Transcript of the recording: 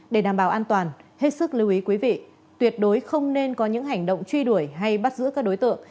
để đảm bảo an toàn hết sức lưu ý quý vị tuyệt đối không nên có những hành động truy đuổi hay bắt giữ các đối tượng